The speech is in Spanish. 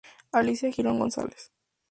Alicia Girón González.